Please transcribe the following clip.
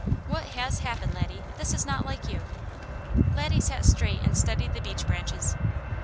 What has happened, Laddie? This is not like you." Laddie sat straight and studied the beech branches.